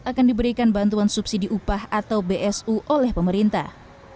akan diberikan bantuan subsidi upah atau bsu oleh pemerintah